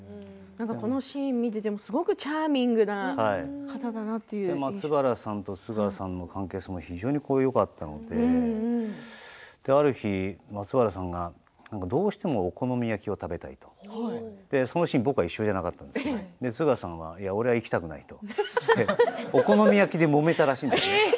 このシーンを見ていてもすごくチャーミングな方だな松原さんと津川さんの関係がとてもよかったので、ある日、松原さんが、どうしてもお好み焼きを食べたいとその日、僕はいなかったんですけれど津川さんは俺は行きたくないと言ってお好み焼きでもめたらしいんです。